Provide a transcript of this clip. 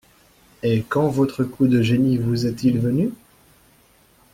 Et quand votre coup de génie vous est-il venu?